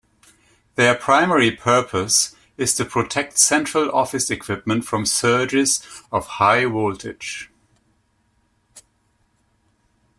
Their primary purpose is to protect central office equipment from surges of high voltage.